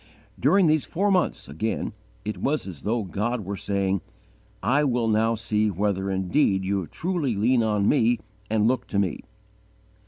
During these four months, again, it was as though God were saying, "I will now see whether indeed you truly lean on Me and look to Me."